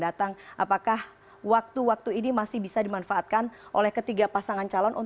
dan di dua puluh tahun